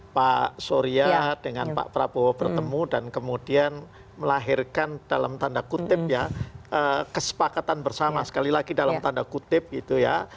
pak surya dengan pak prabowo bertemu dan kemudian melahirkan dalam tanda kutip ya kesepakatan bersama sekali lagi dalam tanda kutip gitu ya